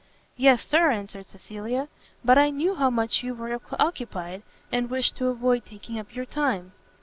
"Yes, Sir," answered Cecilia; "but I knew how much you were occupied, and wished to avoid taking up your time."